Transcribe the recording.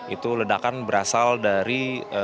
itu ledakan berasal dari